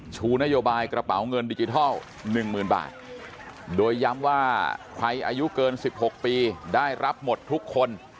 ชูนโยบายกระเป๋าเงินดิจิทัล๑๐๐๐บาทโดยย้ำว่าใครอายุเกิน๑๖ปีได้รับหมดทุกคน